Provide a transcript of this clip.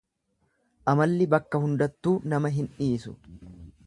Amalli bakka hundattuu nama hin dhiisu.